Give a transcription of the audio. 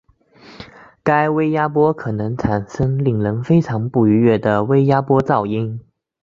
该微压波可能产生令人非常不愉悦的微压波噪音。